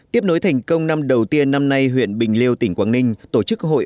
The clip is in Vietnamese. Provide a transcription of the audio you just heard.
tiếp nối thành công năm đầu tiên năm nay huyện bình liêu tỉnh quảng ninh tổ chức hội